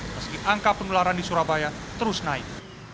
meski angka penularan di surabaya terus naik